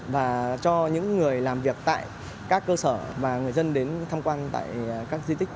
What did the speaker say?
và cho những người làm việc tại các cơ sở và người dân đến tham quan tại các di tích